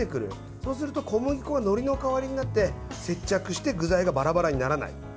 そうすると、小麦粉がのりの代わりになって接着して具材がバラバラにならない。